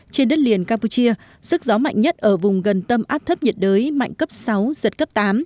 trên đất liền campuchia sức gió mạnh nhất ở vùng gần tâm áp thấp nhiệt đới mạnh cấp sáu giật cấp tám